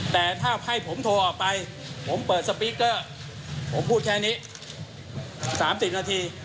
แต่ถ้าให้ผมโทรออกไปผมเปิดสปีกเกอร์ผมพูดแค่นี้๓๐นาที